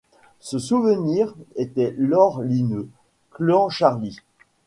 Ce souvenir était lord Linnœus Clancharlie.